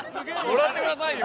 もらってくださいよ！